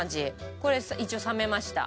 これ一応冷めました。